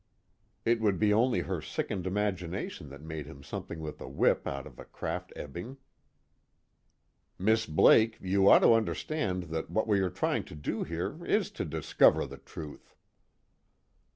It would be only her sickened imagination that made him something with a whip out of Krafft Ebing. "Miss Blake, you ought to understand that what we are trying to do here is to discover the truth."